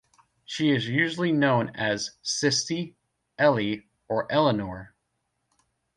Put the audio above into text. She is usually known as "Sistie", "Ellie" or "Eleanor".